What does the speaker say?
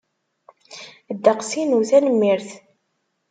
Ddeqs-inu, tanemmirt.